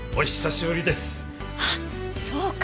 あっそうか！